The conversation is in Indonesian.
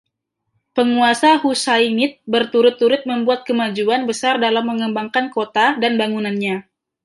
Penguasa Husainid berturut-turut membuat kemajuan besar dalam mengembangkan kota dan bangunannya.